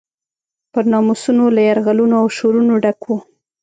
پر ناموسونو له یرغلونو او شورونو ډک و.